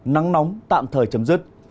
nắng nóng tạm thời chấm dứt